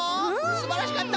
すばらしかった！